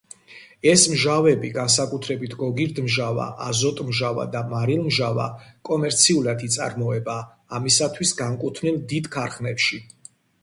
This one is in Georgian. ეს მჟავები, განსაკუთრებით გოგირდმჟავა, აზოტმჟავა და მარილმჟავა, კომერციულად იწარმოება ამისთვის განკუთვნილ დიდ ქარხნებში.